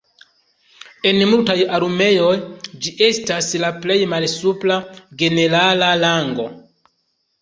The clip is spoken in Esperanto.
En multaj armeoj ĝi estas la plej malsupra generala rango.